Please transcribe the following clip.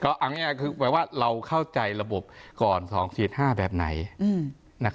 ก็อันนี้คือเราเข้าใจระบบก่อน๒๔๕แบบไหน